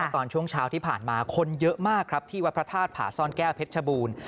ตอนช่วงเช้าที่ผ่านมาคนเยอะมากครับที่วัดพระธาตุผาซ่อนแก้วเพชรชบูรณ์